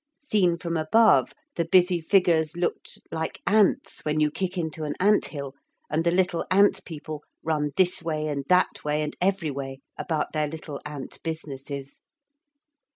Seen from above the busy figures looked like ants when you kick into an ant hill and the little ant people run this way and that way and every way about their little ant businesses.